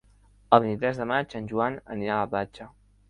El vint-i-tres de maig en Joan anirà a la platja.